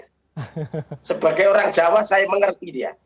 sebagai orang jawa saya mengerti dia